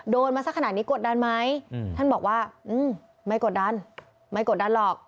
มาสักขนาดนี้กดดันไหมท่านบอกว่าไม่กดดันไม่กดดันหรอก